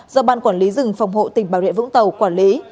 do ban quản lý dừng phòng hộ tỉnh bà rệ vũng tàu quản lý